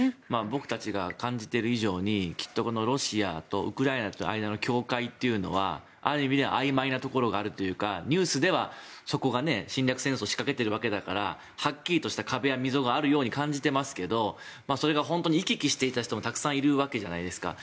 僕たちが感じている以上にきっとこのロシアとウクライナとの間の境界というのはある意味ではあいまいなところがあるというかニュースではそこが侵略戦争を仕掛けているわけだからはっきりとした壁や溝があるように感じていますけどそれが本当に行き来していた人たちもたくさんいるわけじゃないですか。